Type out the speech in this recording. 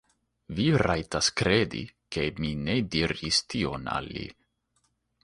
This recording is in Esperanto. Vi rajtas kredi ke mi ne diris tion al li.